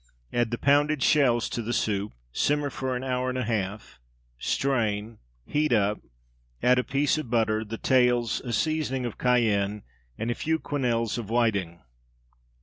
Add the pounded shells to the soup, simmer for an hour and a half, strain, heat up, add a piece of butter, the tails, a seasoning of cayenne, and a few quenelles of whiting.